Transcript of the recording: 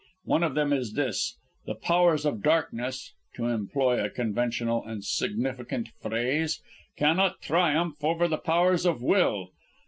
One of them is this: the powers of darkness (to employ a conventional and significant phrase) cannot triumph over the powers of Will.